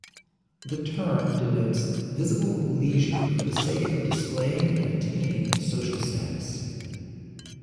The term denotes visible leisure for the sake of displaying and attaining social status.